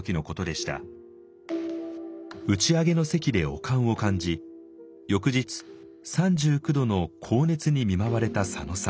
打ち上げの席で悪寒を感じ翌日３９度の高熱に見舞われた佐野さん。